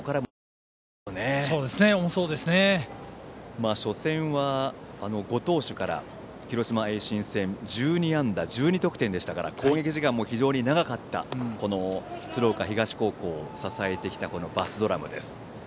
初戦の広島・盈進戦は５投手から１２安打１２得点でしたから攻撃時間も非常に長かった鶴岡東高校を支えてきたバスドラムです。